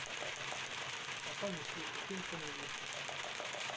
Enfin, monsieur, pour qui me prenez-vous ?